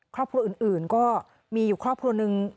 ครอบครัวอื่นก็มีอยู่ครอบครัวนึง